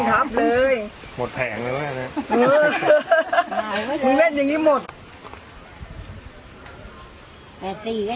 ที่รับทราบเป็นไล่น้ำถือรอยเจ็บบรรยาย